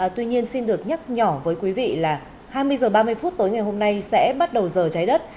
tuy nhiên xin được nhắc nhỏ với quý vị là hai mươi h ba mươi phút tới ngày hôm nay sẽ bắt đầu giờ cháy đất